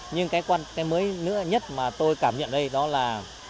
nhưng cái mới nhất mà tôi cảm nhận đây đó là